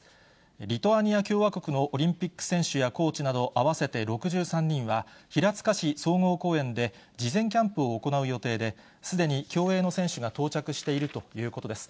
リトアニア共和国のオリンピック選手やコーチなど合わせて６３人は、平塚市総合公園で事前キャンプを行う予定で、すでに競泳の選手が到着しているということです。